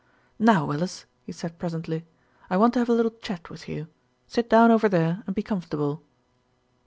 "Now, Willis," he said presently. "I want to have a little chat with you. Sit down over there and be com fortable."